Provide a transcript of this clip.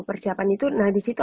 bisa ya teman teman kayak gitu ya